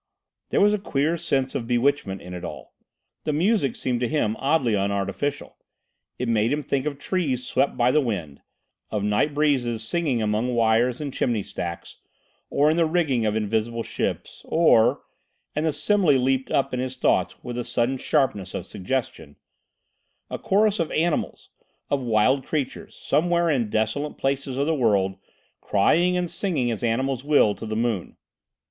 There was a certain queer sense of bewitchment in it all. The music seemed to him oddly unartificial. It made him think of trees swept by the wind, of night breezes singing among wires and chimney stacks, or in the rigging of invisible ships; or—and the simile leaped up in his thoughts with a sudden sharpness of suggestion—a chorus of animals, of wild creatures, somewhere in desolate places of the world, crying and singing as animals will, to the moon.